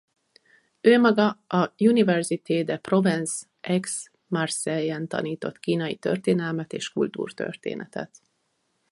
Ő maga a Université de Provence Aix-Marseille-en tanított kínai történelmet és kultúrtörténetet.